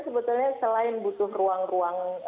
sebetulnya selain butuh ruang ruang